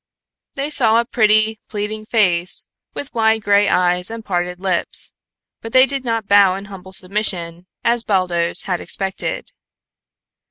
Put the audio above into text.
They saw a pretty, pleading face, with wide gray eyes and parted lips, but they did not bow in humble submission as Baldos had expected.